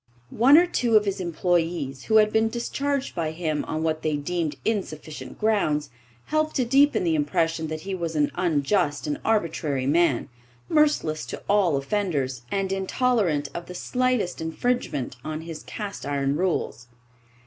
One or two of his employees, who had been discharged by him on what they deemed insufficient grounds, helped to deepen the impression that he was an unjust and arbitrary man, merciless to all offenders, and intolerant of the slightest infringement of his cast iron rules.